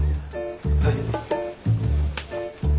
はい。